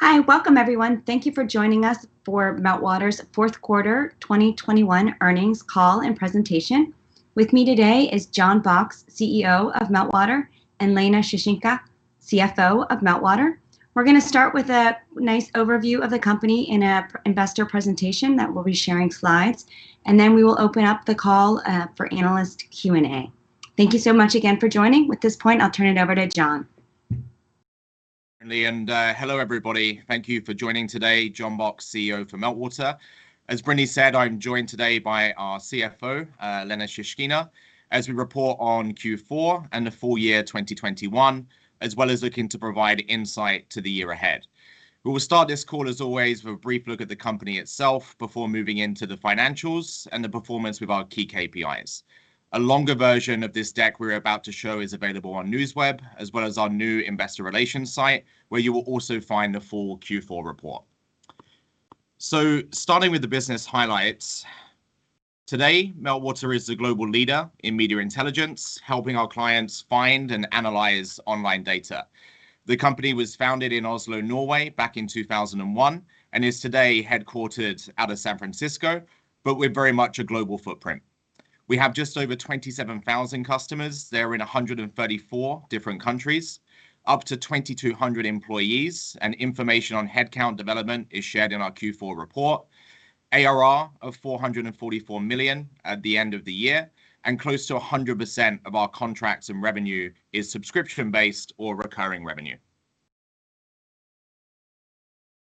Hi. Welcome, everyone. Thank you for joining us for Meltwater's fourth quarter 2021 earnings call and presentation. With me today is John Box, CEO of Meltwater, and Elena Shishkina, CFO of Meltwater. We're gonna start with a nice overview of the company in an investor presentation that we'll be sharing slides, and then we will open up the call for analyst Q&A. Thank you so much again for joining. At this point, I'll turn it over to John. Hello, everybody. Thank you for joining today. John Box, CEO of Meltwater. As Brinlea said, I'm joined today by our CFO, Lena Shishkina, as we report on Q4 and the full year 2021, as well as looking to provide insight to the year ahead. We will start this call, as always, with a brief look at the company itself before moving into the financials and the performance with our key KPIs. A longer version of this deck we're about to show is available on NewsWeb, as well as our new investor relations site, where you will also find the full Q4 report. Starting with the business highlights, today, Meltwater is the global leader in media intelligence, helping our clients find and analyze online data. The company was founded in Oslo, Norway back in 2001, and is today headquartered out of San Francisco, but we're very much a global footprint. We have just over 27,000 customers. They're in 134 different countries. Up to 2,200 employees, and information on headcount development is shared in our Q4 report. ARR of $444 million at the end of the year, and close to 100% of our contracts and revenue is subscription-based or recurring revenue.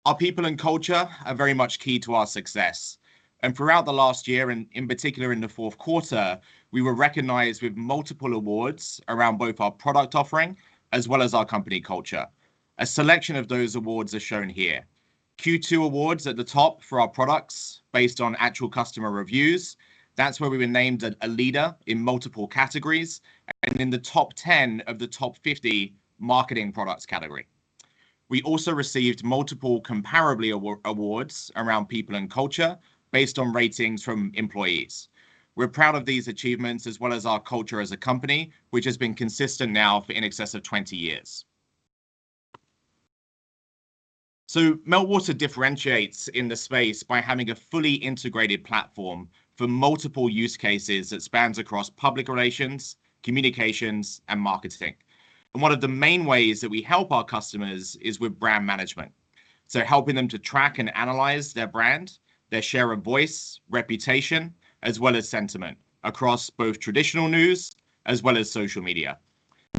Our people and culture are very much key to our success. Throughout the last year, and in particular in the fourth quarter, we were recognized with multiple awards around both our product offering as well as our company culture. A selection of those awards are shown here. G2 awards at the top for our products based on actual customer reviews. That's where we've been named a leader in multiple categories, and in the top 10 of the top 50 marketing products category. We also received multiple Comparably awards around people and culture based on ratings from employees. We're proud of these achievements as well as our culture as a company, which has been consistent now for in excess of 20 years. Meltwater differentiates in the space by having a fully integrated platform for multiple use cases that spans across public relations, communications, and marketing. One of the main ways that we help our customers is with brand management, so helping them to track and analyze their brand, their share of voice, reputation, as well as sentiment across both traditional news as well as social media.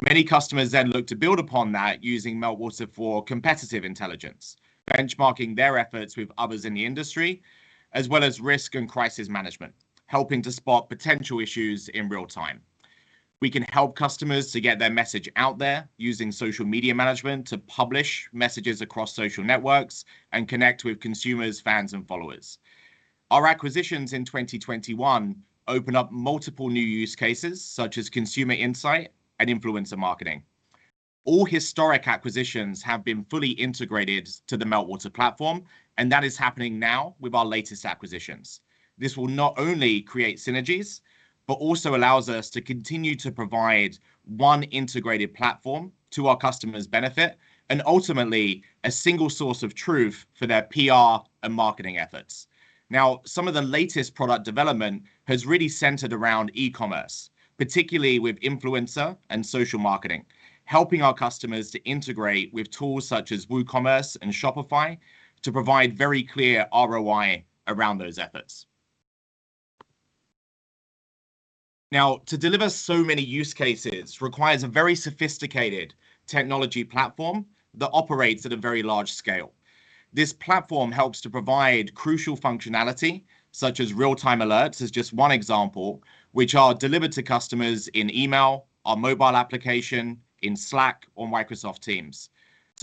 Many customers then look to build upon that using Meltwater for competitive intelligence, benchmarking their efforts with others in the industry, as well as risk and crisis management, helping to spot potential issues in real time. We can help customers to get their message out there using Social Media Management to publish messages across social networks and connect with consumers, fans, and followers. Our acquisitions in 2021 open up multiple new use cases such as Consumer Insights and Influencer Marketing. All historic acquisitions have been fully integrated to the Meltwater platform, and that is happening now with our latest acquisitions. This will not only create synergies, but also allows us to continue to provide one integrated platform to our customers' benefit and ultimately a single source of truth for their PR and marketing efforts. Now, some of the latest product development has really centered around e-commerce, particularly with influencer and social marketing, helping our customers to integrate with tools such as WooCommerce and Shopify to provide very clear ROI around those efforts. Now, to deliver so many use cases requires a very sophisticated technology platform that operates at a very large scale. This platform helps to provide crucial functionality, such as real-time alerts as just one example, which are delivered to customers in email, our mobile application, in Slack or Microsoft Teams.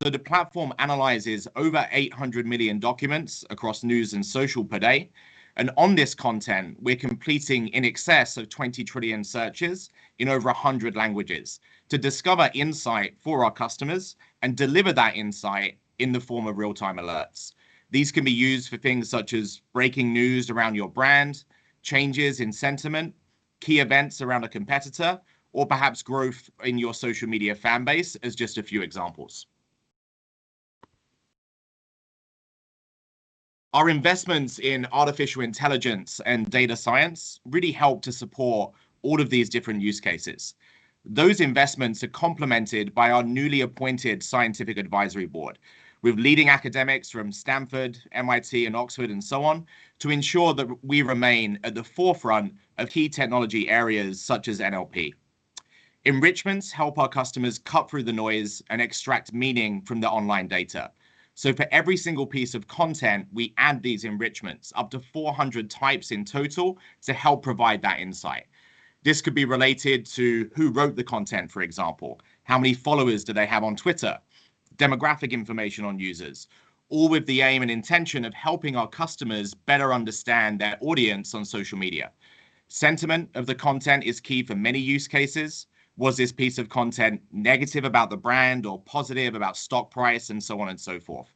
The platform analyzes over 800 million documents across news and social per day, and on this content, we're completing in excess of 20 trillion searches in over 100 languages to discover insight for our customers and deliver that insight in the form of real-time alerts. These can be used for things such as breaking news around your brand, changes in sentiment, key events around a competitor, or perhaps growth in your social media fan base as just a few examples. Our investments in artificial intelligence and data science really help to support all of these different use cases. Those investments are complemented by our newly appointed scientific advisory board with leading academics from Stanford, MIT, and Oxford and so on to ensure that we remain at the forefront of key technology areas such as NLP. Enrichments help our customers cut through the noise and extract meaning from the online data. For every single piece of content, we add these enrichments, up to 400 types in total, to help provide that insight. This could be related to who wrote the content, for example. How many followers do they have on Twitter? Demographic information on users, all with the aim and intention of helping our customers better understand their audience on social media. Sentiment of the content is key for many use cases. Was this piece of content negative about the brand or positive about stock price and so on and so forth?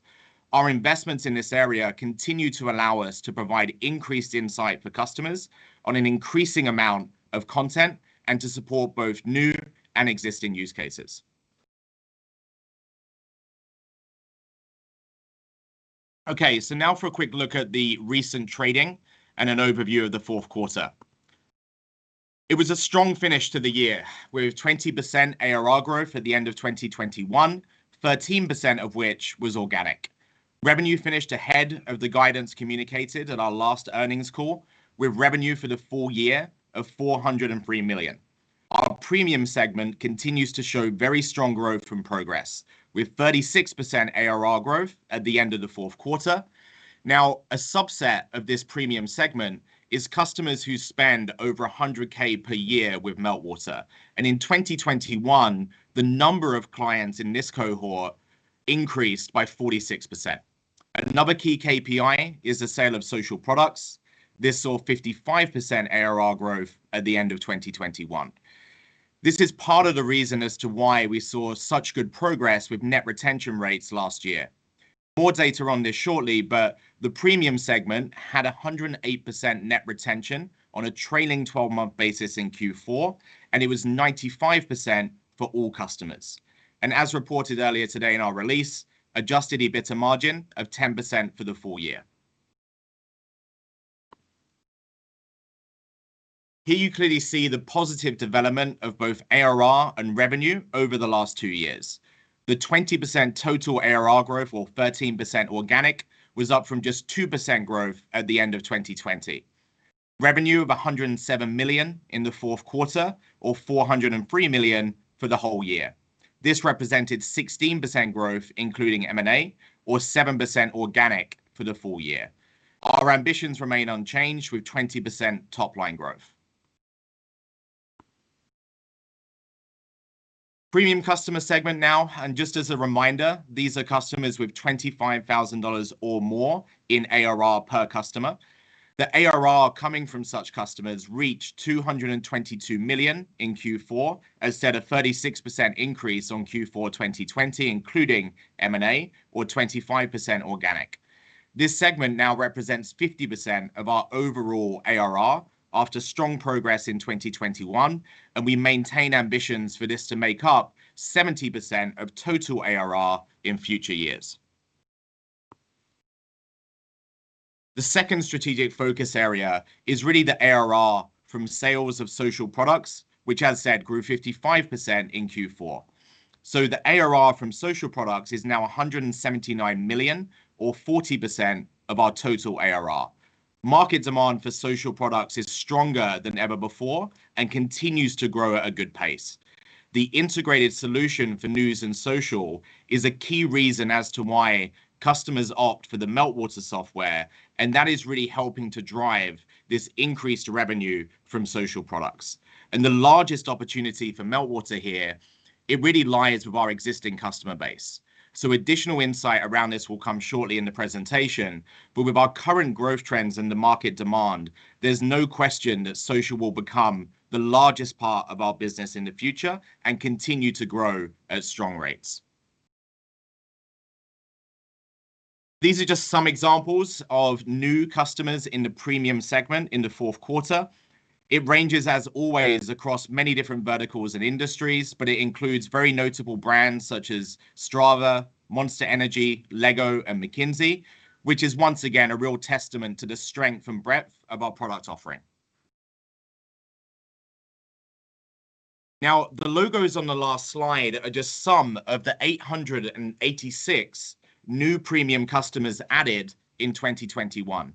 Our investments in this area continue to allow us to provide increased insight for customers on an increasing amount of content and to support both new and existing use cases. Okay, now for a quick look at the recent trading and an overview of the fourth quarter. It was a strong finish to the year with 20% ARR growth at the end of 2021, 13% of which was organic. Revenue finished ahead of the guidance communicated at our last earnings call, with revenue for the full year of $403 million. Our premium segment continues to show very strong growth from progress, with 36% ARR growth at the end of the fourth quarter. Now, a subset of this premium segment is customers who spend over 100K per year with Meltwater. In 2021, the number of clients in this cohort increased by 46%. Another key KPI is the sale of social products. This saw 55% ARR growth at the end of 2021. This is part of the reason as to why we saw such good progress with net retention rates last year. More data on this shortly, but the premium segment had 108% net retention on a trailing12 month basis in Q4, and it was 95% for all customers. As reported earlier today in our release, adjusted EBITDA margin of 10% for the full year. Here you clearly see the positive development of both ARR and revenue over the last two years. The 20% total ARR growth, or 13% organic, was up from just 2% growth at the end of 2020. Revenue of $107 million in the fourth quarter or $403 million for the whole year. This represented 16% growth, including M&A, or 7% organic for the full year. Our ambitions remain unchanged with 20% top-line growth. Premium customer segment now, and just as a reminder, these are customers with $25,000 or more in ARR per customer. The ARR coming from such customers reached $222 million in Q4, as said, a 36% increase on Q4 2020, including M&A or 25% organic. This segment now represents 50% of our overall ARR after strong progress in 2021, and we maintain ambitions for this to make up 70% of total ARR in future years. The second strategic focus area is really the ARR from sales of social products, which as said, grew 55% in Q4. The ARR from social products is now $179 million or 40% of our total ARR. Market demand for social products is stronger than ever before and continues to grow at a good pace. The integrated solution for news and social is a key reason as to why customers opt for the Meltwater software, and that is really helping to drive this increased revenue from social products. The largest opportunity for Meltwater here, it really lies with our existing customer base. Additional insight around this will come shortly in the presentation, but with our current growth trends and the market demand, there's no question that social will become the largest part of our business in the future and continue to grow at strong rates. These are just some examples of new customers in the premium segment in the fourth quarter. It ranges, as always, across many different verticals and industries, but it includes very notable brands such as Strava, Monster Energy, LEGO, and McKinsey, which is once again a real testament to the strength and breadth of our product offering. Now, the logos on the last slide are just some of the 886 new premium customers added in 2021.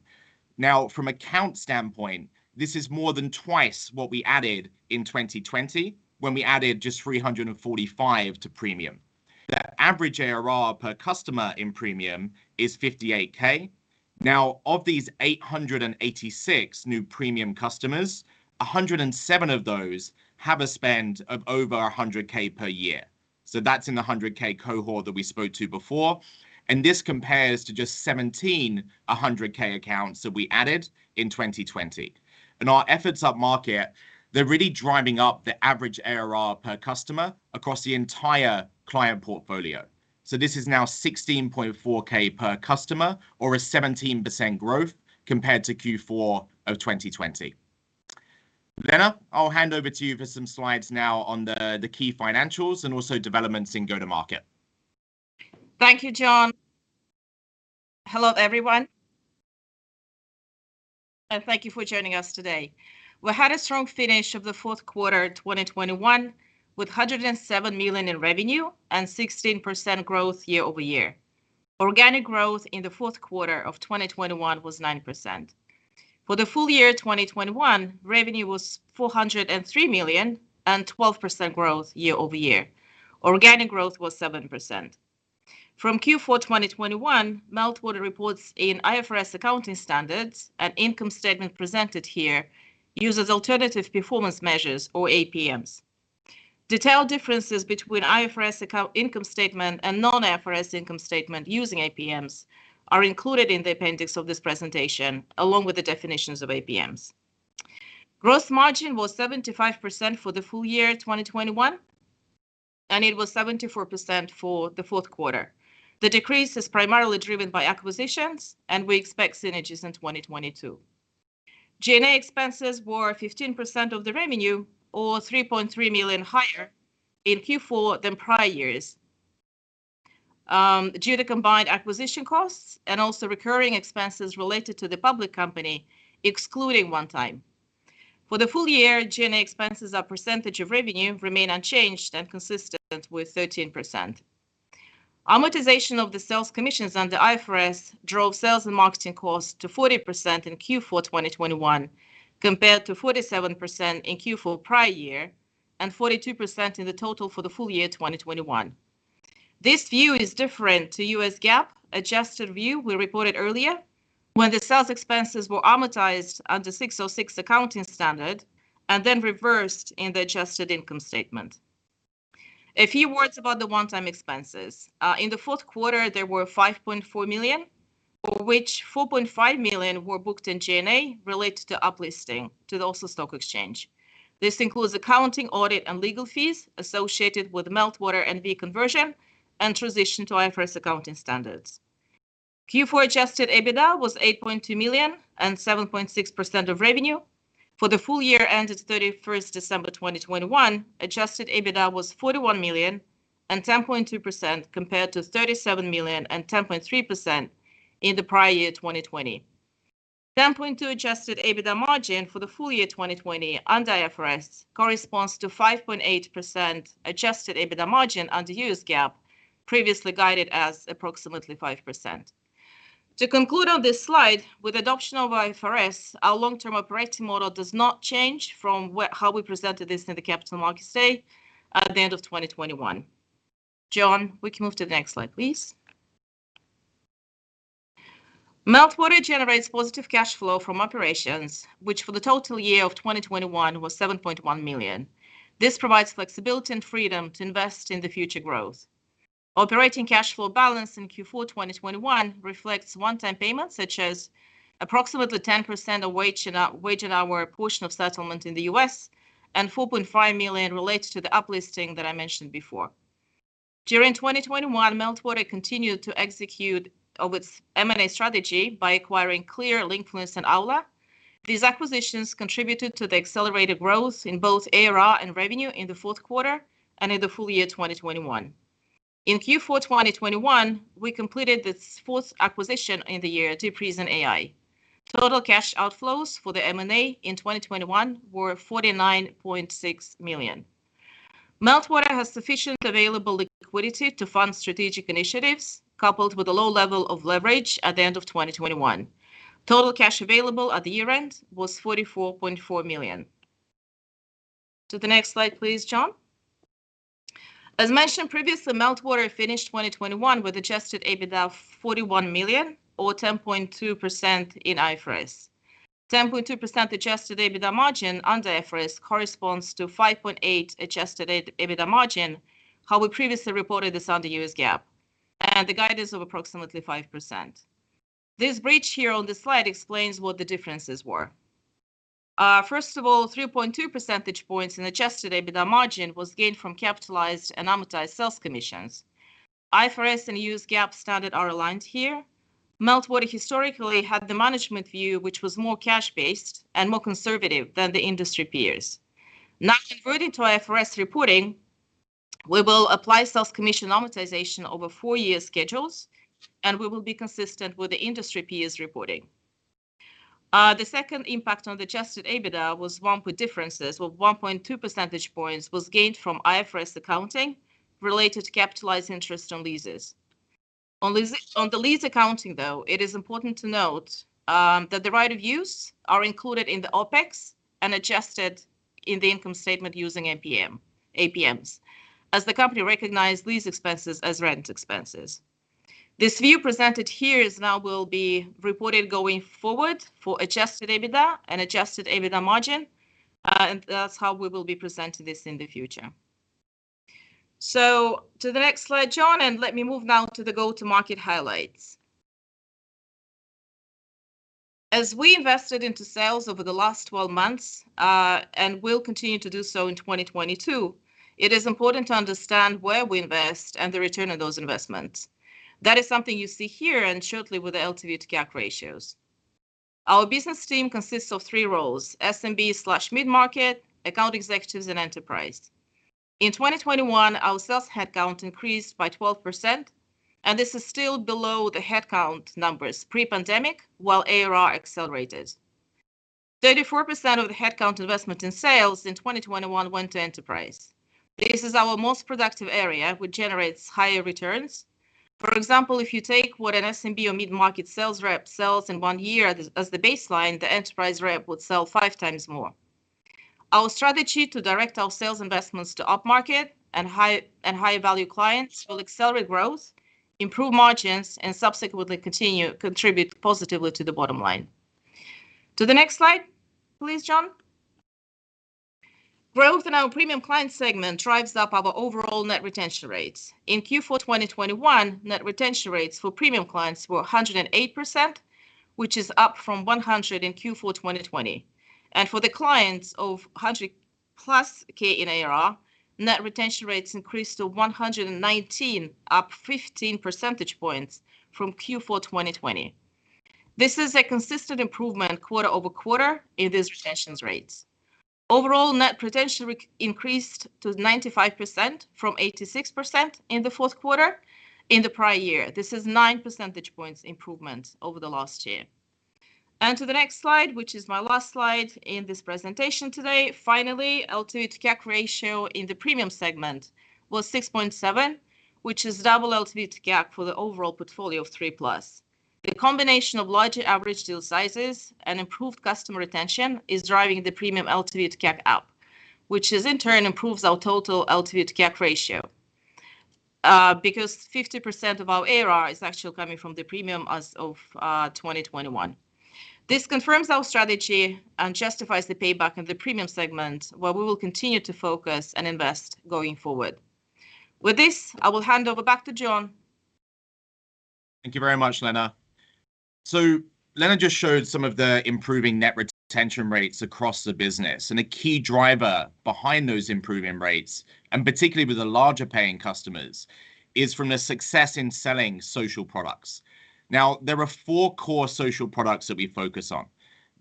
Now, from account standpoint, this is more than twice what we added in 2020 when we added just 345 to premium. The average ARR per customer in premium is $58K. Of these 886 new premium customers, 107 of those have a spend of over $100K per year. That's in the $100K cohort that we spoke to before. This compares to just 17 $100K accounts that we added in 2020. Our efforts up market, they're really driving up the average ARR per customer across the entire client portfolio. This is now $16.4K per customer or a 17% growth compared to Q4 of 2020. Lena, I'll hand over to you for some slides now on the key financials and also developments in go-to-market. Thank you, John. Hello, everyone. Thank you for joining us today. We had a strong finish of the fourth quarter 2021 with $107 million in revenue and 16% growth year-over-year. Organic growth in the fourth quarter of 2021 was 9%. For the full year 2021, revenue was $403 million and 12% growth year-over-year. Organic growth was 7%. From Q4 2021, Meltwater reports in IFRS accounting standards and income statement presented here uses alternative performance measures or APMs. Detailed differences between IFRS income statement and non-IFRS income statement using APMs are included in the appendix of this presentation, along with the definitions of APMs. Gross margin was 75% for the full year 2021, and it was 74% for the fourth quarter. The decrease is primarily driven by acquisitions, and we expect synergies in 2022. G&A expenses were 15% of the revenue or $3.3 million higher in Q4 than prior years, due to combined acquisition costs and also recurring expenses related to the public company, excluding one time. For the full year, G&A expenses as a percentage of revenue remain unchanged and consistent with 13%. Amortization of the sales commissions under IFRS drove sales and marketing costs to 40% in Q4 2021 compared to 47% in Q4 prior year, and 42% in the total for the full year 2021. This view is different to U.S. GAAP adjusted view we reported earlier when the sales expenses were amortized under ASC 606 accounting standard and then reversed in the adjusted income statement. A few words about the one-time expenses. In the fourth quarter, there were $5.4 million, of which $4.5 million were booked in G&A related to up-listing to the Oslo Stock Exchange. This includes accounting, audit, and legal fees associated with Meltwater and AVE conversion and transition to IFRS accounting standards. Q4 adjusted EBITDA was $8.2 million and 7.6% of revenue. For the full year ended December 31, 2021, adjusted EBITDA was $41 million and 10.2% compared to $37 million and 10.3% in the prior year 2020. 10.2% adjusted EBITDA margin for the full year 2020 under IFRS corresponds to 5.8% adjusted EBITDA margin under US GAAP, previously guided as approximately 5%. To conclude on this slide, with adoption of IFRS, our long-term operating model does not change from how we presented this in the Capital Markets Day at the end of 2021. John, we can move to the next slide, please. Meltwater generates positive cash flow from operations, which for the total year of 2021 was $7.1 million. This provides flexibility and freedom to invest in the future growth. Operating cash flow balance in Q4 2021 reflects one-time payments such as approximately 10% of wage and hour portion of settlement in the U.S., and $4.5 million related to the up-listing that I mentioned before. During 2021, Meltwater continued to execute on its M&A strategy by acquiring Klear, Linkfluence and Owler. These acquisitions contributed to the accelerated growth in both ARR and revenue in the fourth quarter and in the full year 2021. In Q4 2021, we completed the fourth acquisition in the year, DeepReason.ai. Total cash outflows for the M&A in 2021 were $49.6 million. Meltwater has sufficient available liquidity to fund strategic initiatives, coupled with a low level of leverage at the end of 2021. Total cash available at the year-end was $44.4 million. To the next slide, please, John. As mentioned previously, Meltwater finished 2021 with adjusted EBITDA of $41 million or 10.2% in IFRS. 10.2% adjusted EBITDA margin under IFRS corresponds to 5.8% adjusted EBITDA margin, how we previously reported this under U.S. GAAP, and the guidance of approximately 5%. This bridge here on this slide explains what the differences were. First of all, 3.2 percentage points in adjusted EBITDA margin was gained from capitalized and amortized sales commissions. IFRS and U.S. GAAP standard are aligned here. Meltwater historically had the management view, which was more cash-based and more conservative than the industry peers. Now converting to IFRS reporting, we will apply sales commission amortization over four-year schedules, and we will be consistent with the industry peers reporting. The second impact on adjusted EBITDA was 1.2 percentage points, where 1.2 percentage points was gained from IFRS accounting related to capitalized interest on leases. On the lease accounting, though, it is important to note that the right of use are included in the OpEx and adjusted in the income statement using APMs, as the company recognized lease expenses as rent expenses. This view presented here will be reported going forward for adjusted EBITDA and adjusted EBITDA margin, and that's how we will be presenting this in the future. To the next slide, John, and let me move now to the go-to-market highlights. As we invested into sales over the last 12 months, and will continue to do so in 2022, it is important to understand where we invest and the return on those investments. That is something you see here and shortly with the LTV to CAC ratios. Our business team consists of three roles: SMB/mid-market, account executives, and enterprise. In 2021, our sales headcount increased by 12%, and this is still below the headcount numbers pre-pandemic, while ARR accelerated. 34% of the headcount investment in sales in 2021 went to enterprise. This is our most productive area, which generates higher returns. For example, if you take what an SMB or mid-market sales rep sells in one year as the baseline, the enterprise rep would sell five times more. Our strategy to direct our sales investments to up-market and higher value clients will accelerate growth, improve margins, and subsequently contribute positively to the bottom line. To the next slide, please, John. Growth in our premium client segment drives up our overall net retention rates. In Q4 2021, net retention rates for premium clients were 108%, which is up from 100% in Q4 2020. For the clients of 100+ K in ARR, net retention rates increased to 119, up 15 percentage points from Q4 2020. This is a consistent improvement quarter-over-quarter in these retention rates. Overall, net retention increased to 95% from 86% in the fourth quarter in the prior year. This is 9 percentage points improvement over the last year. To the next slide, which is my last slide in this presentation today, finally, LTV to CAC ratio in the premium segment was 6.7, which is double LTV to CAC for the overall portfolio of 3+. The combination of larger average deal sizes and improved customer retention is driving the premium LTV to CAC up, which is in turn improves our total LTV to CAC ratio, because 50% of our ARR is actually coming from the premium as of 2021. This confirms our strategy and justifies the payback of the premium segment, where we will continue to focus and invest going forward. With this, I will hand over back to John. Thank you very much, Lena. Lena just showed some of the improving net retention rates across the business, and a key driver behind those improving rates, and particularly with the larger paying customers, is from the success in selling social products. Now, there are four core social products that we focus on.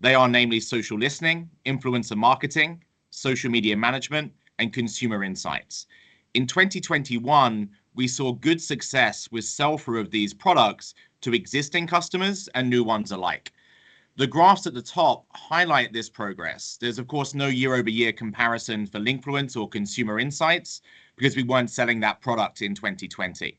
They are namely Social Listening, Influencer Marketing, Social Media Management, and Consumer Insights. In 2021, we saw good success with sell-through of these products to existing customers and new ones alike. The graphs at the top highlight this progress. There's of course no year-over-year comparison for Linkfluence or Consumer Insights because we weren't selling that product in 2020.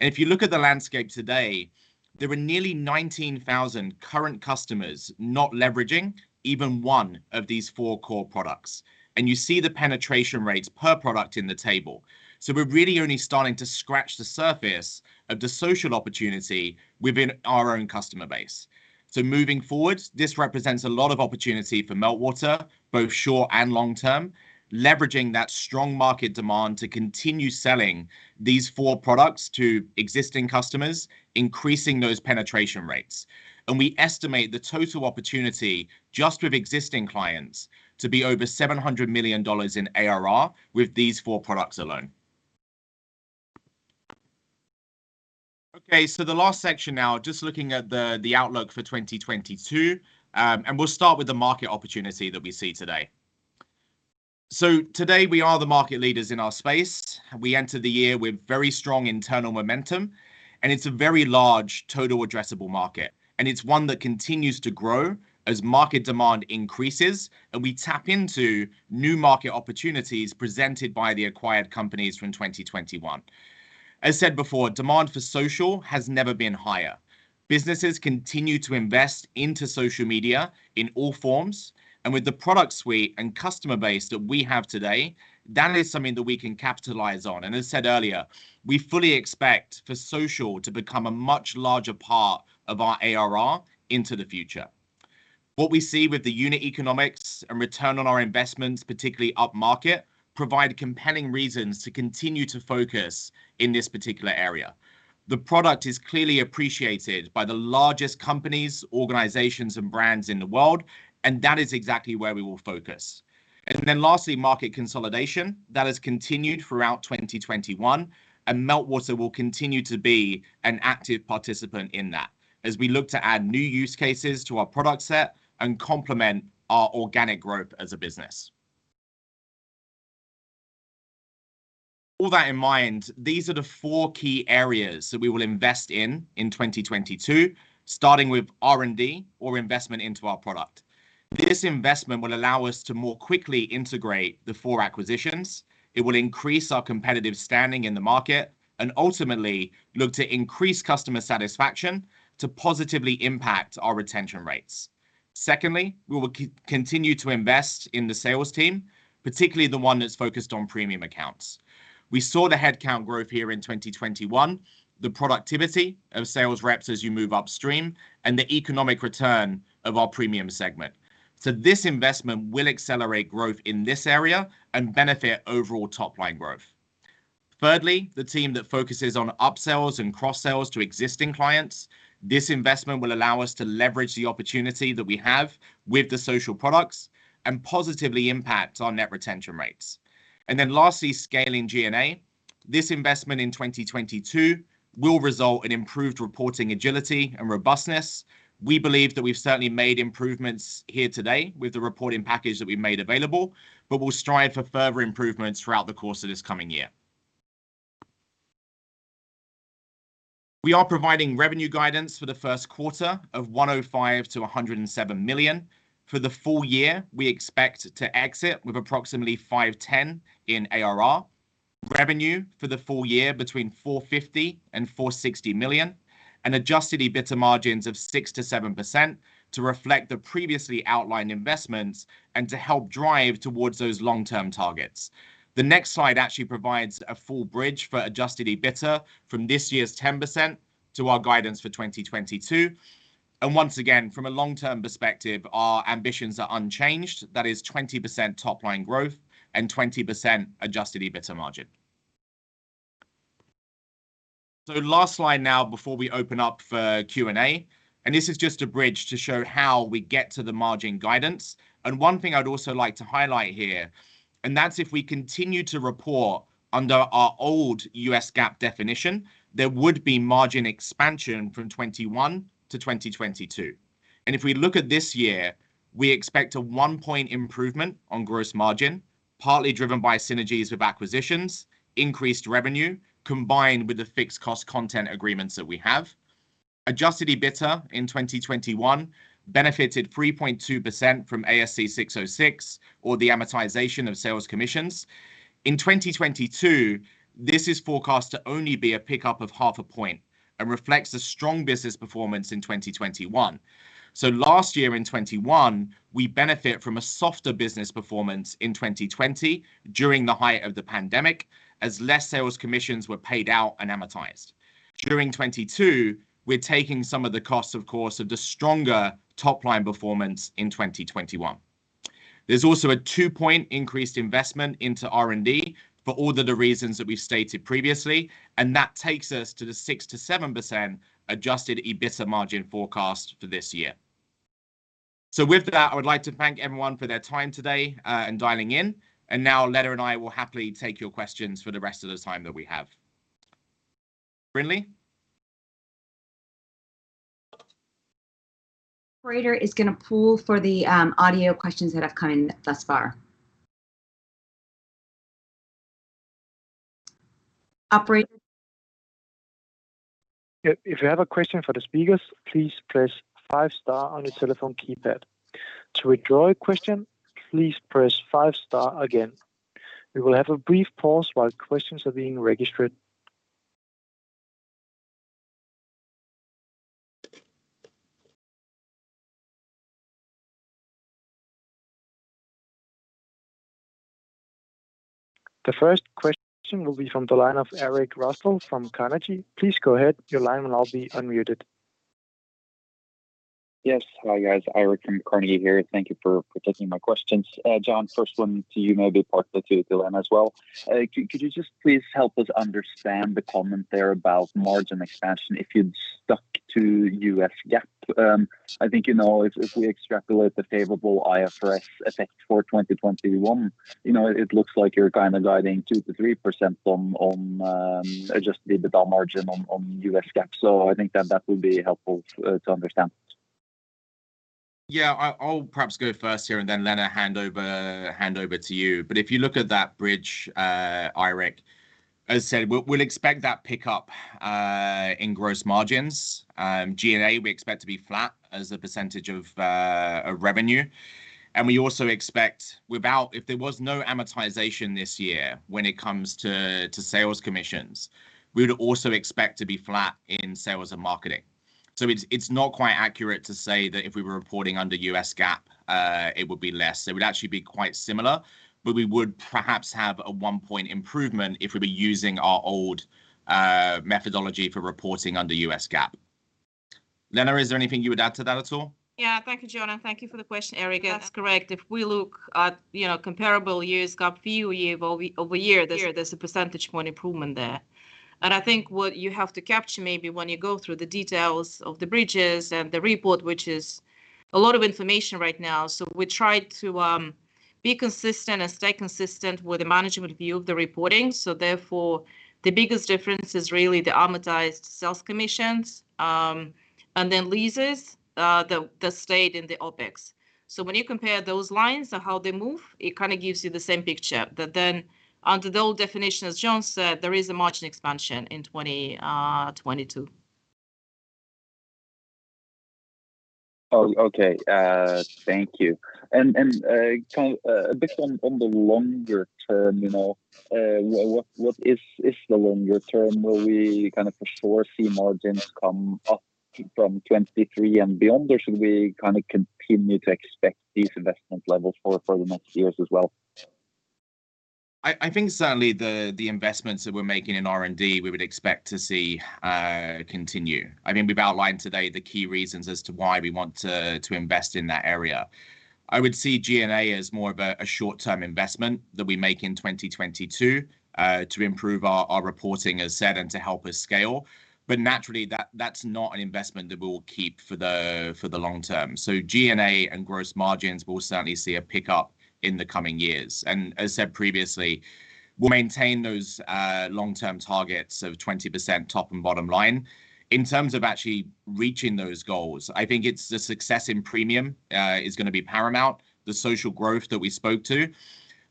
If you look at the landscape today, there are nearly 19,000 current customers not leveraging even one of these four core products, and you see the penetration rates per product in the table. We're really only starting to scratch the surface of the social opportunity within our own customer base. Moving forward, this represents a lot of opportunity for Meltwater, both short and long term, leveraging that strong market demand to continue selling these four products to existing customers, increasing those penetration rates. We estimate the total opportunity just with existing clients to be over $700 million in ARR with these four products alone. The last section now, just looking at the outlook for 2022, and we'll start with the market opportunity that we see today. Today we are the market leaders in our space. We enter the year with very strong internal momentum, and it's a very large total addressable market, and it's one that continues to grow as market demand increases and we tap into new market opportunities presented by the acquired companies from 2021. As said before, demand for social has never been higher. Businesses continue to invest into social media in all forms, and with the product suite and customer base that we have today, that is something that we can capitalize on. As said earlier, we fully expect for social to become a much larger part of our ARR into the future. What we see with the unit economics and return on our investments, particularly up-market, provide compelling reasons to continue to focus in this particular area. The product is clearly appreciated by the largest companies, organizations, and brands in the world, and that is exactly where we will focus. Lastly, market consolidation. That has continued throughout 2021, and Meltwater will continue to be an active participant in that as we look to add new use cases to our product set and complement our organic growth as a business. All that in mind, these are the four key areas that we will invest in in 2022, starting with R&D or investment into our product. This investment will allow us to more quickly integrate the four acquisitions. It will increase our competitive standing in the market and ultimately look to increase customer satisfaction to positively impact our retention rates. Secondly, we will continue to invest in the sales team, particularly the one that's focused on premium accounts. We saw the headcount growth here in 2021, the productivity of sales reps as you move upstream, and the economic return of our premium segment. This investment will accelerate growth in this area and benefit overall top-line growth. Thirdly, the team that focuses on upsells and cross-sells to existing clients. This investment will allow us to leverage the opportunity that we have with the social products and positively impact our net retention rates. Lastly, scaling G&A. This investment in 2022 will result in improved reporting agility and robustness. We believe that we've certainly made improvements here today with the reporting package that we've made available, but we'll strive for further improvements throughout the course of this coming year. We are providing revenue guidance for the first quarter of $105 million-$107 million. For the full year, we expect to exit with approximately $510 million in ARR. Revenue for the full year between $450 million and $460 million, and adjusted EBITDA margins of 6%-7% to reflect the previously outlined investments and to help drive towards those long-term targets. The next slide actually provides a full bridge for adjusted EBITDA from this year's 10% to our guidance for 2022. Once again, from a long-term perspective, our ambitions are unchanged. That is 20% top-line growth and 20% adjusted EBITDA margin. Last slide now before we open up for Q&A, and this is just a bridge to show how we get to the margin guidance. One thing I'd also like to highlight here, and that's if we continue to report under our old U.S. GAAP definition, there would be margin expansion from 2021 to 2022. If we look at this year, we expect a 1 point improvement on gross margin, partly driven by synergies with acquisitions, increased revenue, combined with the fixed cost content agreements that we have. Adjusted EBITDA in 2021 benefited 3.2% from ASC 606, or the amortization of sales commissions. In 2022, this is forecast to only be a pickup of half a point and reflects the strong business performance in 2021. Last year in 2021, we benefit from a softer business performance in 2020 during the height of the pandemic as less sales commissions were paid out and amortized. During 2022, we're taking some of the costs, of course, of the stronger top-line performance in 2021. There's also a 2% increased investment into R&D for all of the reasons that we've stated previously, and that takes us to the 6%-7% adjusted EBITDA margin forecast for this year. With that, I would like to thank everyone for their time today, and dialing in. Now Elena and I will happily take your questions for the rest of the time that we have. Brinlea? Operator is gonna poll for the audio questions that have come in thus far. Operator? If you have a question for the speakers, please press five star on your telephone keypad. To withdraw your question, please press five star again. We will have a brief pause while questions are being registered. The first question will be from the line of Eirik Rasmussen from Carnegie. Please go ahead, your line will now be unmuted. Yes. Hi, guys, Eirik from Carnegie here. Thank you for taking my questions. John, first one to you, maybe partly to Lena as well. Could you just please help us understand the comment there about margin expansion if you'd stuck to U.S. GAAP? I think, you know, if we extrapolate the favorable IFRS effect for 2021, you know, it looks like you're kind of guiding 2%-3% on adjusted EBITDA margin on U.S. GAAP. I think that would be helpful to understand. Yeah. I'll perhaps go first here and then hand over to you. If you look at that bridge, Eirik, as said, we'll expect that pickup in gross margins. G&A we expect to be flat as a percentage of revenue. If there was no amortization this year when it comes to sales commissions, we would also expect to be flat in sales and marketing. It's not quite accurate to say that if we were reporting under U.S. GAAP, it would be less. It would actually be quite similar, but we would perhaps have a one-point improvement if we were using our old methodology for reporting under U.S. GAAP. Lena, is there anything you would add to that at all? Yeah. Thank you, John, and thank you for the question, Eirik. That's correct. If we look at, you know, comparable years, GAAP view year over year, there's a percentage point improvement there. I think what you have to capture maybe when you go through the details of the bridges and the report, which is a lot of information right now, so we try to be consistent and stay consistent with the management view of the reporting. Therefore, the biggest difference is really the amortized sales commissions, and then leases, that stayed in the OpEx. When you compare those lines and how they move, it kinda gives you the same picture. Then under the old definition, as John said, there is a margin expansion in 2022. Oh, okay. Thank you. A bit on the longer term, you know, what is the longer term? Will we kind of for sure see margins come up from 2023 and beyond, or should we kind of continue to expect these investment levels for the next years as well? I think certainly the investments that we're making in R&D we would expect to see continue. I mean, we've outlined today the key reasons as to why we want to invest in that area. I would see G&A as more of a short-term investment that we make in 2022 to improve our reporting, as said, and to help us scale. Naturally, that's not an investment that we'll keep for the long term. G&A and gross margins will certainly see a pickup in the coming years. As said previously, we'll maintain those long-term targets of 20% top and bottom line. In terms of actually reaching those goals, I think it's the success in premium is gonna be paramount, the social growth that we spoke to,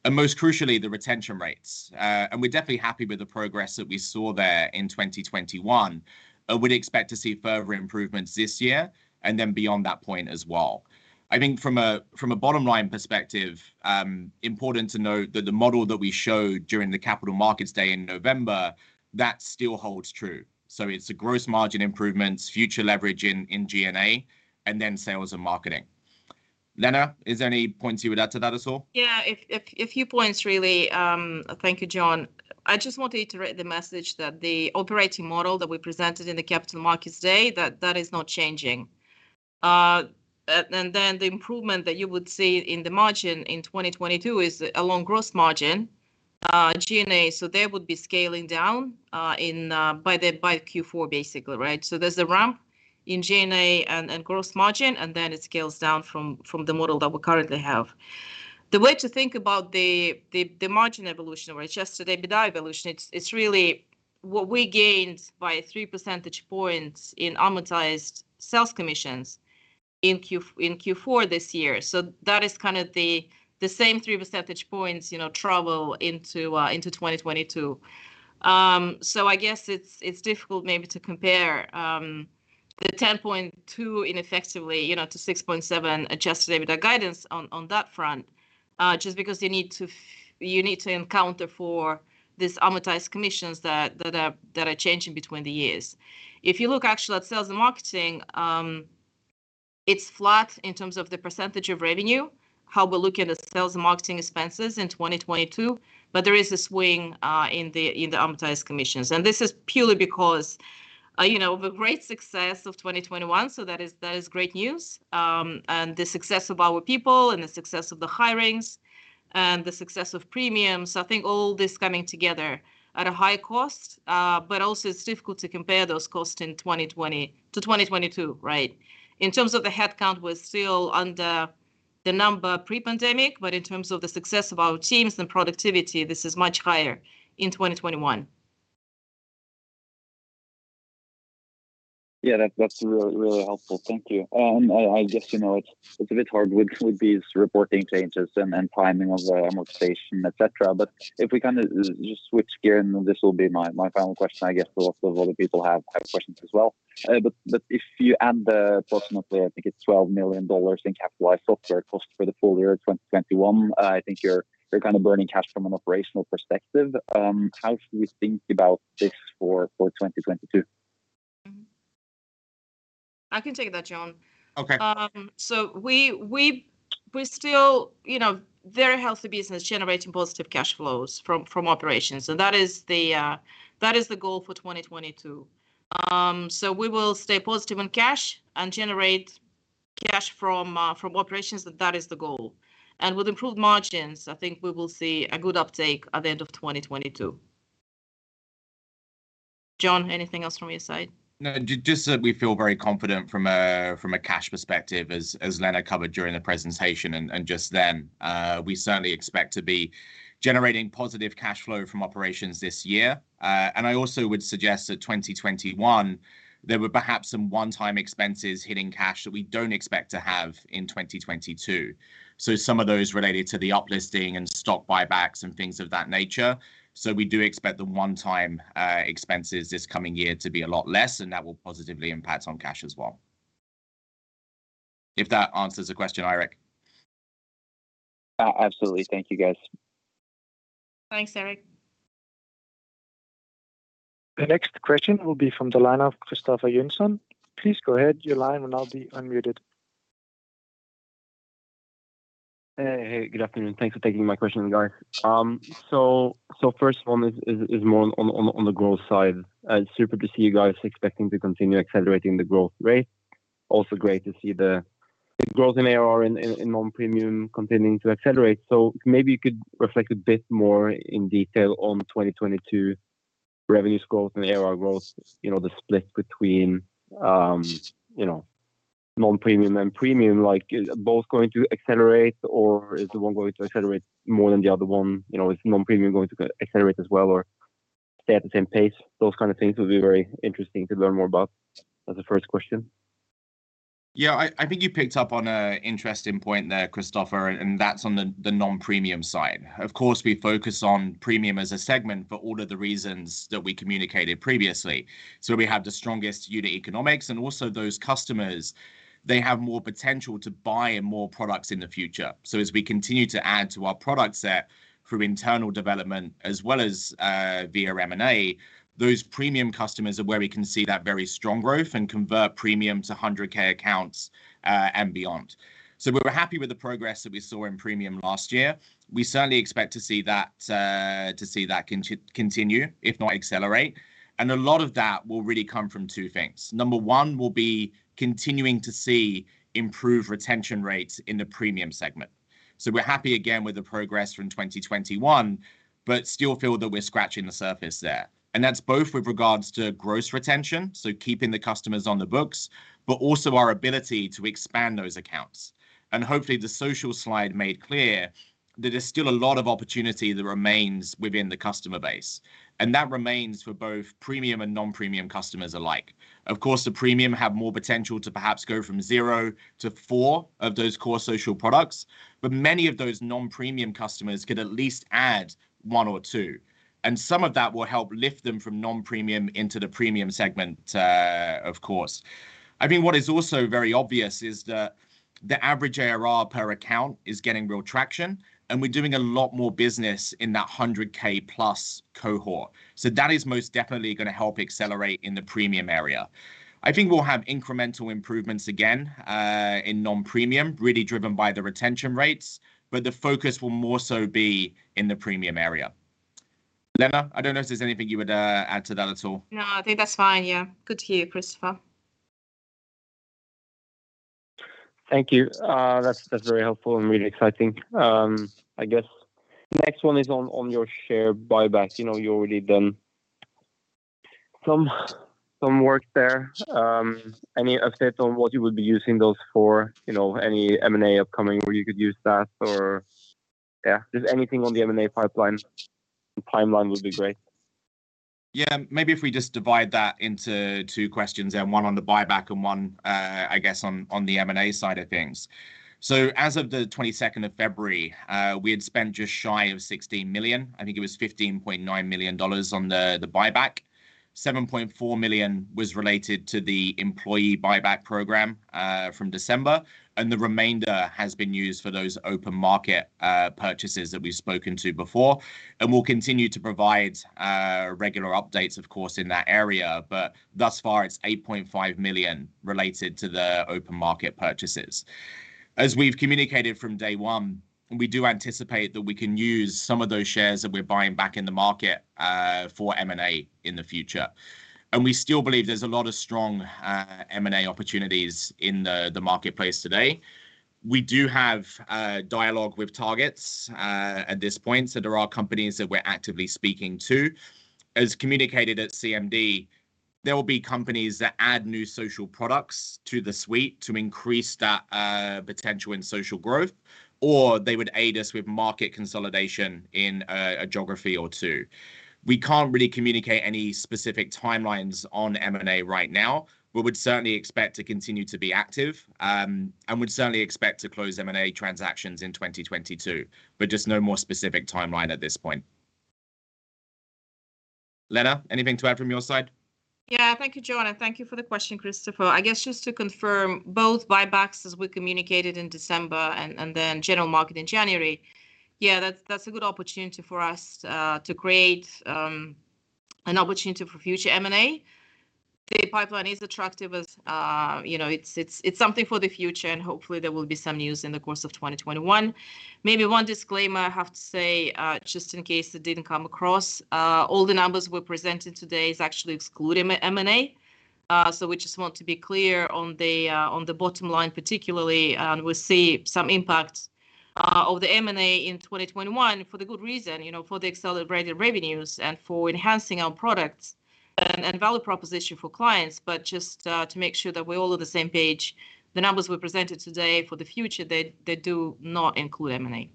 and most crucially, the retention rates. We're definitely happy with the progress that we saw there in 2021. We would expect to see further improvements this year, and then beyond that point as well. I think from a bottom-line perspective, important to note that the model that we showed during the Capital Markets Day in November, that still holds true. It's the gross margin improvements, future leverage in G&A, and then sales and marketing. Lena, is there any points you would add to that at all? Yeah. A few points really. Thank you, John. I just want to reiterate the message that the operating model that we presented in the Capital Markets Day, that is not changing. The improvement that you would see in the margin in 2022 is in gross margin and G&A. They would be scaling down by Q4 basically, right? There's a ramp in G&A and gross margin, and then it scales down from the model that we currently have. The way to think about the margin evolution, or adjusted EBITDA evolution, it's really what we gained by 3 percentage points in amortized sales commissions in Q4 this year. That is kind of the same 3 percentage points, you know, carry into 2022. I guess it's difficult, maybe, to compare the 10.2% effectively, you know, to 6.7% adjusted EBITDA guidance on that front just because you need to account for this amortized commissions that are changing between the years. If you look actually at sales and marketing, it's flat in terms of the percentage of revenue how we're looking at sales and marketing expenses in 2022, but there is a swing in the amortized commissions. This is purely because, you know, the great success of 2021, so that is great news. The success of our people and the success of the hirings and the success of premium. I think all this coming together at a high cost, but also it's difficult to compare those costs in 2020-2022, right? In terms of the headcount, we're still under the number pre-pandemic, but in terms of the success of our teams and productivity, this is much higher in 2021. Yeah, that's really helpful. Thank you. I guess, you know, it's a bit hard with these reporting changes and timing of the amortization, et cetera. If we kind of just switch gear, this will be my final question, I guess, so lots of other people have questions as well. If you add the approximate, I think it's $12 million in capitalized software costs for the full year 2021, I think you're kind of burning cash from an operational perspective. How should we think about this for 2022? Mm-hmm. I can take that, John. Okay. We're still, you know, very healthy business generating positive cash flows from operations. That is the goal for 2022. We will stay positive on cash and generate cash from operations, that is the goal. With improved margins, I think we will see a good uptake at the end of 2022. John, anything else from your side? No. Just that we feel very confident from a cash perspective, as Lena covered during the presentation and just then. We certainly expect to be generating positive cash flow from operations this year. I also would suggest that 2021, there were perhaps some one-time expenses hitting cash that we don't expect to have in 2022. Some of those related to the uplisting and stock buybacks and things of that nature. We do expect the one-time expenses this coming year to be a lot less, and that will positively impact on cash as well. If that answers the question, Eirik. Absolutely. Thank you, guys. Thanks, Eirik. The next question will be from the line of Kristoffer Jonsson. Please go ahead, your line will now be unmuted. Hey, good afternoon. Thanks for taking my question, guys. First one is more on the growth side. It's super to see you guys expecting to continue accelerating the growth rate. Also great to see the growth in ARR in non-premium continuing to accelerate. Maybe you could reflect a bit more in detail on 2022 revenue growth and ARR growth, you know, the split between, you know, non-premium and premium. Like, is both going to accelerate or is the one going to accelerate more than the other one? You know, is non-premium going to accelerate as well or stay at the same pace? Those kind of things would be very interesting to learn more about. That's the first question. Yeah, I think you picked up on an interesting point there, Kristoffer, and that's on the non-premium side. Of course, we focus on premium as a segment for all of the reasons that we communicated previously. We have the strongest unit economics and also those customers, they have more potential to buy more products in the future. As we continue to add to our product set through internal development as well as via M&A, those premium customers are where we can see that very strong growth and convert premium to 100K accounts and beyond. We're happy with the progress that we saw in premium last year. We certainly expect to see that continue, if not accelerate. A lot of that will really come from two things. Number one, we'll be continuing to see improved retention rates in the premium segment. We're happy again with the progress from 2021, but still feel that we're scratching the surface there. That's both with regards to gross retention, so keeping the customers on the books, but also our ability to expand those accounts. Hopefully, the social slide made clear there is still a lot of opportunity that remains within the customer base. That remains for both premium and non-premium customers alike. Of course, the premium have more potential to perhaps go from zero-four of those core social products, but many of those non-premium customers could at least add one or two. Some of that will help lift them from non-premium into the premium segment, of course. I mean, what is also very obvious is the average ARR per account is getting real traction, and we're doing a lot more business in that 100K+ cohort. That is most definitely gonna help accelerate in the premium area. I think we'll have incremental improvements again in non-premium, really driven by the retention rates, but the focus will more so be in the premium area. Lena, I don't know if there's anything you would add to that at all. No, I think that's fine, yeah. Good to hear, Kristoffer. Thank you. That's very helpful and really exciting. I guess next one is on your share buyback. You know, you already done some work there. Any updates on what you would be using those for? You know, any M&A upcoming where you could use that or yeah, just anything on the M&A pipeline, timeline would be great. Yeah. Maybe if we just divide that into two questions then, one on the buyback and one, I guess on the M&A side of things. As of the 22nd of February, we had spent just shy of $16 million. I think it was $15.9 million on the buyback. $7.4 million was related to the employee buyback program from December, and the remainder has been used for those open market purchases that we've spoken to before. We'll continue to provide regular updates, of course, in that area, but thus far it's $8.5 million related to the open market purchases. As we've communicated from day one, we do anticipate that we can use some of those shares that we're buying back in the market for M&A in the future, and we still believe there's a lot of strong M&A opportunities in the marketplace today. We do have dialogue with targets at this point, so there are companies that we're actively speaking to. As communicated at CMD, there will be companies that add new social products to the suite to increase that potential in social growth, or they would aid us with market consolidation in a geography or two. We can't really communicate any specific timelines on M&A right now. We would certainly expect to continue to be active, and would certainly expect to close M&A transactions in 2022, but just no more specific timeline at this point. Elena, anything to add from your side? Yeah. Thank you, John, and thank you for the question, Kristoffer. I guess just to confirm both buybacks as we communicated in December and then general market in January, yeah, that's a good opportunity for us to create an opportunity for future M&A. The pipeline is attractive as you know, it's something for the future and hopefully there will be some news in the course of 2021. Maybe one disclaimer I have to say just in case it didn't come across. All the numbers we're presenting today is actually excluding M&A. So we just want to be clear on the bottom line particularly, and we see some impact of the M&A in 2021 for the good reason, you know, for the accelerated revenues and for enhancing our products and value proposition for clients. Just to make sure that we're all on the same page, the numbers we presented today for the future, they do not include M&A.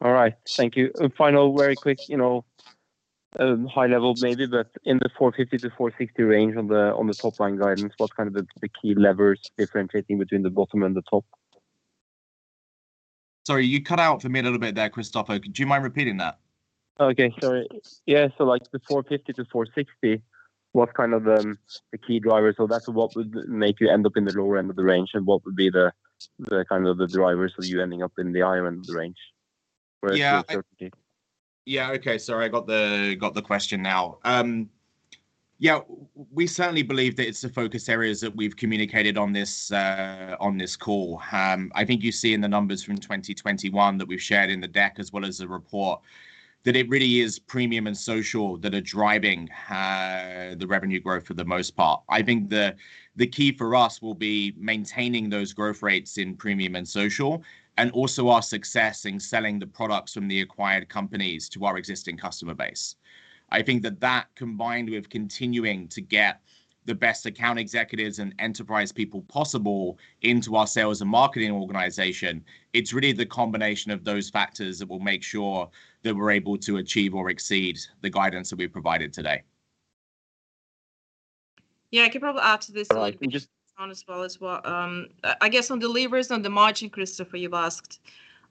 All right. Thank you. Final, very quick, you know, high level maybe, but in the $450-$460 range on the top line guidance, what's kind of the key levers differentiating between the bottom and the top? Sorry, you cut out for me a little bit there, Kristoffer. Do you mind repeating that? Okay. Sorry. Yeah, so like the $450-$460, what's kind of the key driver? That's what would make you end up in the lower end of the range, and what would be the kind of the drivers for you ending up in the higher end of the range versus- Yeah. Thirty. Yeah. Okay. Sorry, I got the question now. We certainly believe that it's the focus areas that we've communicated on this call. I think you see in the numbers from 2021 that we've shared in the deck as well as the report that it really is premium and social that are driving the revenue growth for the most part. I think the key for us will be maintaining those growth rates in premium and social, and also our success in selling the products from the acquired companies to our existing customer base. I think that combined with continuing to get the best account executives and enterprise people possible into our sales and marketing organization, it's really the combination of those factors that will make sure that we're able to achieve or exceed the guidance that we've provided today. Yeah. I could probably add to this a little bit. Uh, and just- I guess on the levers on the margin, Kristoffer, you've asked,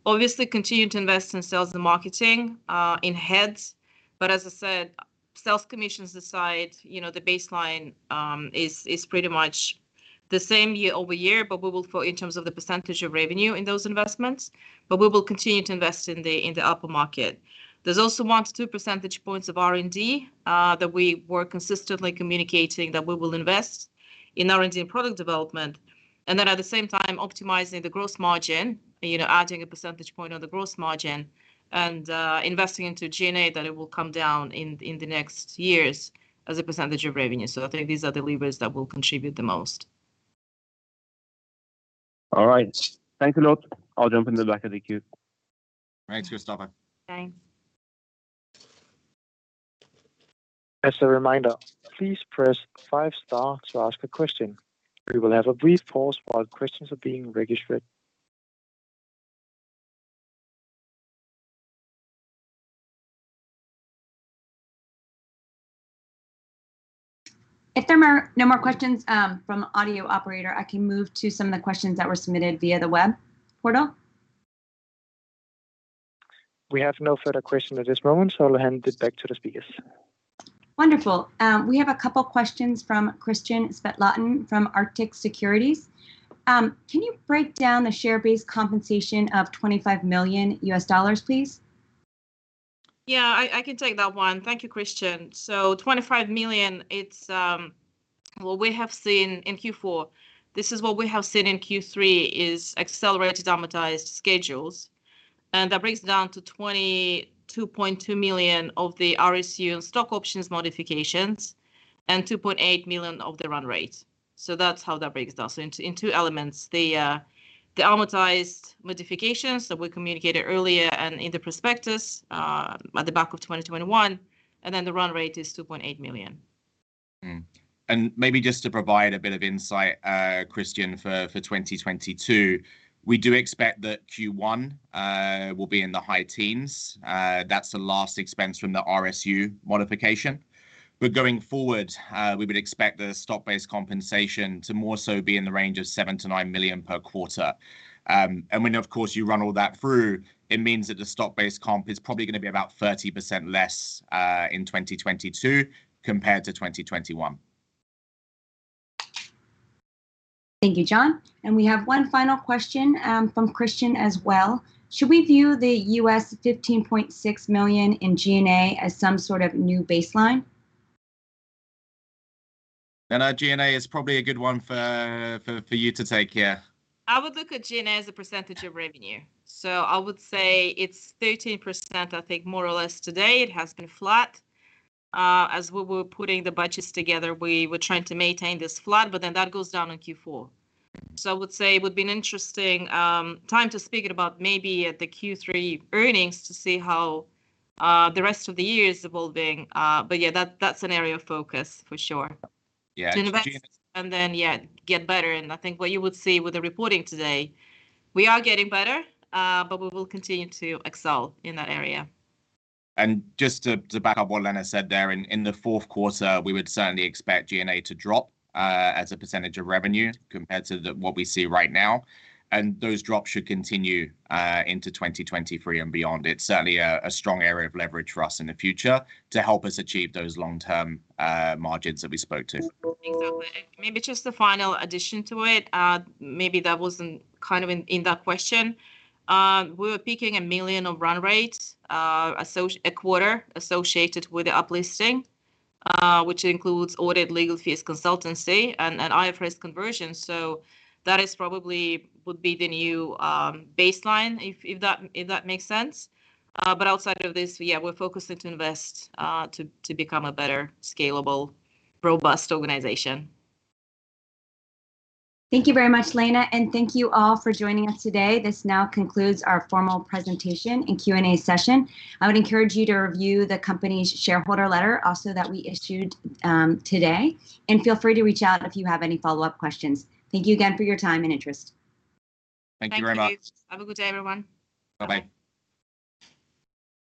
obviously continue to invest in sales and marketing in heads. As I said, sales commissions aside, you know, the baseline is pretty much the same year over year, but we will in terms of the percentage of revenue in those investments, but we will continue to invest in the upper market. There's also 1-2 percentage points of R&D that we were consistently communicating that we will invest in R&D and product development. Then at the same time optimizing the gross margin, you know, adding a percentage point on the gross margin and investing into G&A that it will come down in the next years as a percentage of revenue. I think these are the levers that will contribute the most. All right. Thanks a lot. I'll jump in the back of the queue. Thanks, Kristoffer. Thanks. As a reminder, please press five star to ask a question. We will have a brief pause while questions are being registered. If there are no more questions, from audio operator, I can move to some of the questions that were submitted via the web portal. We have no further question at this moment, so I'll hand it back to the speakers. Wonderful. We have a couple questions from Christian Kopfer from Arctic Securities. Can you break down the share-based compensation of $25 million, please? Yeah, I can take that one. Thank you, Christian. $25 million, it's what we have seen in Q3 is accelerated amortized schedules, and that breaks down to $22.2 million of the RSU and stock options modifications, and $2.8 million of the run rate. That's how that breaks down. In two elements, the amortized modifications that we communicated earlier and in the prospectus at the back of 2021, and then the run rate is $2.8 million. Maybe just to provide a bit of insight, Christian, for 2022, we do expect that Q1 will be in the high teens. That's the last expense from the RSU modification. Going forward, we would expect the stock-based compensation to more so be in the range of $7 million-$9 million per quarter. When of course you run all that through, it means that the stock-based comp is probably gonna be about 30% less in 2022 compared to 2021. Thank you, John. We have one final question from Christian as well. Should we view the U.S. $15.6 million in G&A as some sort of new baseline? Lena, G&A is probably a good one for you to take here. I would look at G&A as a percentage of revenue. I would say it's 13%, I think more or less today. It has been flat as we were putting the budgets together, we were trying to maintain this flat, but then that goes down in Q4. I would say it would be an interesting time to speak about maybe at the Q3 earnings to see how the rest of the year is evolving. But yeah, that's an area of focus for sure. Yeah to invest and then, yeah, get better. I think what you would see with the reporting today, we are getting better, but we will continue to excel in that area. Just to back up what Lena said there, in the fourth quarter we would certainly expect G&A to drop as a percentage of revenue compared to what we see right now, and those drops should continue into 2023 and beyond. It's certainly a strong area of leverage for us in the future to help us achieve those long-term margins that we spoke to. Exactly. Maybe just a final addition to it, maybe that wasn't kind of in that question. We were peaking at $1 million of run rate a quarter, associated with the up listing, which includes audit, legal fees, consultancy and IFRS conversion. That is probably would be the new baseline if that makes sense. Outside of this, we're focused to invest to become a better scalable, robust organization. Thank you very much, Elena, and thank you all for joining us today. This now concludes our formal presentation and Q&A session. I would encourage you to review the company's shareholder letter also that we issued, today, and feel free to reach out if you have any follow-up questions. Thank you again for your time and interest. Thank you very much. Thank you. Have a good day everyone. Bye-bye. Bye.